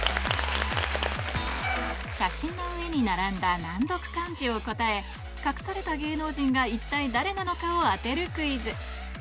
写真の上に並んだ難読漢字を答え隠された芸能人が一体誰なのかを当てるクイズ